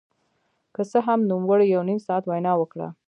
که څه هم نوموړي یو نیم ساعت وینا وکړه